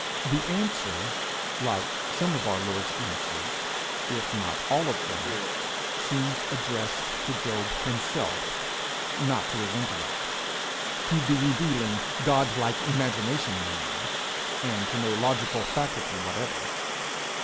The answer, like some of our Lord's answers if not all of them, seems addressed to Job himself, not to his intellect; to the revealing, God like imagination in the man, and to no logical faculty whatever.